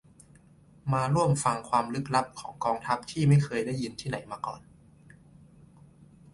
มาร่วมฟังความลึกลับของกองทัพที่ไม่เคยได้ยินที่ไหนมาก่อน